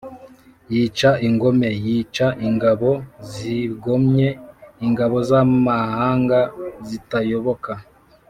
yica ingome: yica ingabo zigomye, ingabo z’amahanga zitayoboka